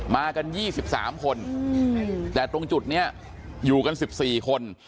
มากัน๒๓คนแต่ตรงจุดนี้อยู่กัน๑๔คน